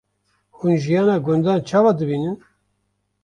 Hûn jiyana gundan çawa dibînin?